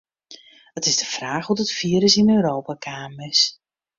It is de fraach hoe't it firus yn Europa kaam is.